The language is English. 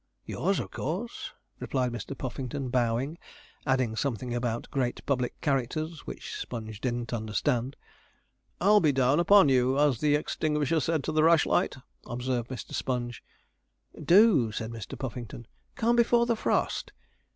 'Yours, of course,' replied Mr. Puffington, bowing; adding something about great public characters, which Sponge didn't understand. 'I'll be down upon you, as the extinguisher said to the rushlight,' observed Mr. Sponge. 'Do,' said Mr. Puffington; 'come before the frost.